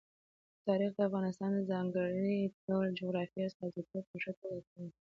تاریخ د افغانستان د ځانګړي ډول جغرافیې استازیتوب په ښه توګه کوي.